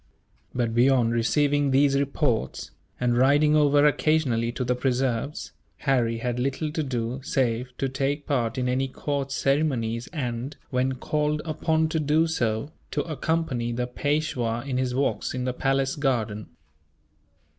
But beyond receiving these reports, and riding over occasionally to the preserves, Harry had little to do save to take part in any court ceremonies and, when called upon to do so, to accompany the Peishwa in his walks in the palace garden.